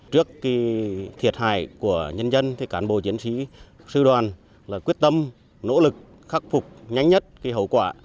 trước thiệt hại của nhân dân cán bộ chiến sĩ sư đoàn quyết tâm nỗ lực khắc phục nhanh nhất hậu quả